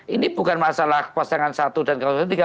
ini bukan masalah pasangan satu dan satu tiga